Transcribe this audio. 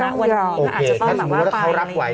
วันนี้เขาอาจจะต้องแบบว่าไปเลยนะครับโอเคถ้าสมมุติว่าเขารักไวร์